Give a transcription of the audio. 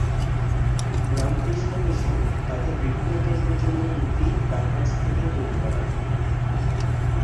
Ramakrishna mission তাদের বিভিন্ন কেন্দ্রের জন্য মূর্তি তাঁর কাছ থেকেই তৈরি করান।